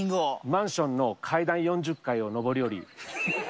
マンションの階段４０階を上り下り。